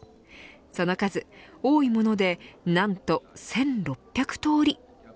その数、多いもので何と１６００通り。